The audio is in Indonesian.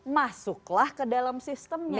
masuklah ke dalam sistemnya